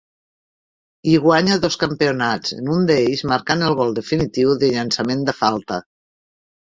Hi guanya dos campionats, en un d'ells marcant el gol definitiu de llançament de falta.